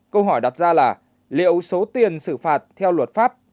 câu hỏi đặt ra là liệu số tiền xử phạt theo luật pháp